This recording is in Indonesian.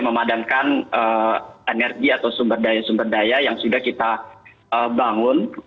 memadamkan energi atau sumber daya sumber daya yang sudah kita bangun